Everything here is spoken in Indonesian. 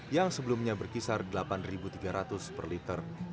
yang sebelumnya berkisar delapan tiga ratus per liter